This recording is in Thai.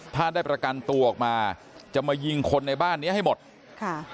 ถ้าได้ประกันตัวออกมาจะมายิงคนในบ้านเนี้ยให้หมดค่ะ